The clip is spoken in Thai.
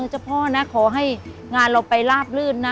เจ้าพ่อนะขอให้งานเราไปลาบลื่นนะ